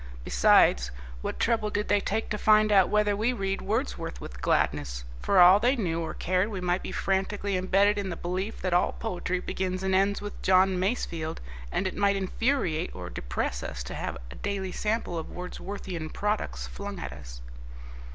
Besides, what trouble did they take to find out whether we read Wordsworth with gladness? For all they knew or cared we might be frantically embedded in the belief that all poetry begins and ends with John Masefield, and it might infuriate or depress us to have a daily sample of Wordsworthian products flung at us."